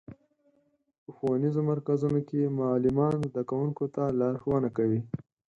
په ښوونیزو مرکزونو کې معلمان زدهکوونکو ته لارښوونه کوي.